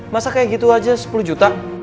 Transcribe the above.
masa kayak gitu aja sepuluh juta